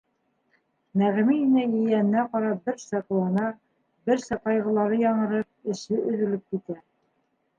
Нәғимә инәй ейәненә ҡарап берсә ҡыуана, берсә ҡайғылары яңырып, эсе өҙөлөп китә.